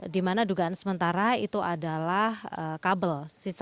di mana dugaan sementara itu adalah kabel